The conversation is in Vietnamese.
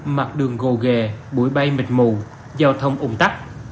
mặt đường gồ ghề bay mịt mù giao thông ủng tắc